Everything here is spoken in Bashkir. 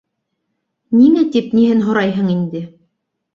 - Ниңә тип, ниһен һорайһың инде...